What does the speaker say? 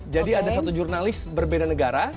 jadi ada satu jurnalis berbeda negara